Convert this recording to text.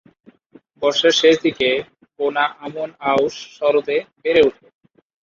বর্ষার শেষ দিকে বোনা আমন-আউশ শরতে বেড়ে ওঠে।